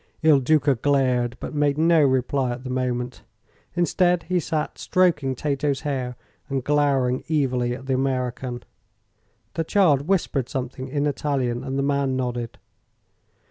Il Duca glared, but made no reply at the moment. Instead, he sat stroking Tato's hair and glowering evilly at the American. The child whispered something in Italian, and the man nodded.